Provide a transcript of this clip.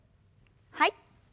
はい。